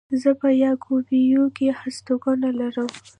زه په يعقوبيو کې هستوګنه لرم.